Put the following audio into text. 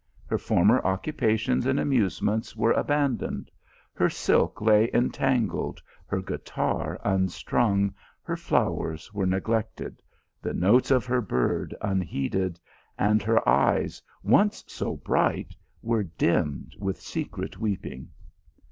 Her former occupations and 232 THE ALHAMBRA. amusements were abandoned ; her silk lay entangled, her guitar unstrung, her flowers were neglected, the notes of her bird unheeded, and her eyes, once so bright, were dimmed with secret weeping.